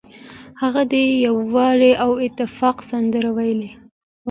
هغه د یووالي او اتفاق سندره ویله.